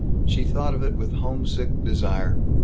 She thought of it with homesick desire.